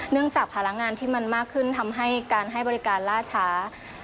จากภาระงานที่มันมากขึ้นทำให้การให้บริการล่าช้า